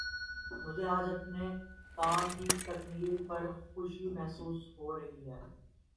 مجھے آج اپنے کام کی تکمیل پر خوشی محسوس ہو رہی ہے